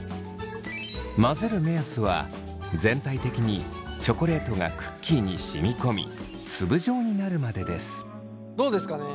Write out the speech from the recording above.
混ぜる目安は全体的にチョコレートがクッキーに染み込みどうですかね。